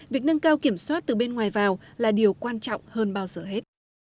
việc nâng cao kiểm soát từ bên ngoài vào là điều quan trọng hơn bao giờ hết